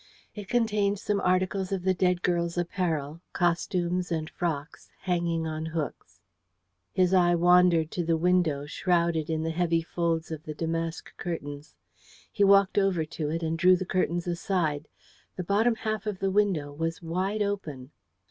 It contained some articles of the dead girl's apparel costumes and frocks hanging on hooks. His eye wandered to the window, shrouded in the heavy folds of the damask curtains. He walked over to it, and drew the curtains aside. The bottom half of the window was wide open.